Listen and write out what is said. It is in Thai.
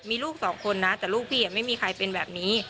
มีลูกสองคนนะแต่ลูกพี่ไม่มีใครเป็นแบบนี้